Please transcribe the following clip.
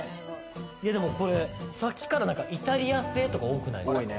さっきからイタリア製とか多くないですか？